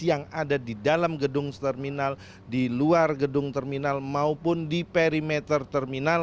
yang ada di dalam gedung terminal di luar gedung terminal maupun di perimeter terminal